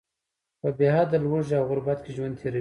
په بې حده ولږې او غربت کې ژوند تیروي.